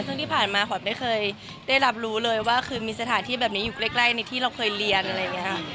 ซึ่งที่ผ่านมาหอมไม่เคยได้รับรู้เลยว่าคือมีสถานที่แบบนี้อยู่ใกล้ในที่เราเคยเรียนอะไรอย่างนี้ค่ะ